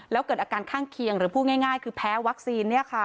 แล้วเกิดอาการข้างเคียงหรือพูดง่ายคือแพ้วัคซีน